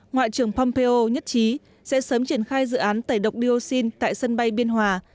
ngoại trưởng pompeo nhất trí sẽ sớm triển khai dự án tẩy độc dioxin tại sân bay biên hòa